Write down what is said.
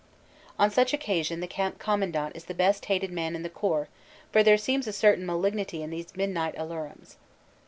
On such occasion the Camp Commandant is the best hated man in Corps, for there seems a certain malignity in these midnight alarums.